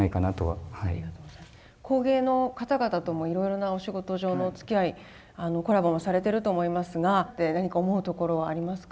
工芸の方々ともいろいろなお仕事上のおつきあいコラボもされてると思いますが何か思うところはありますか？